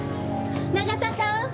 永田さん！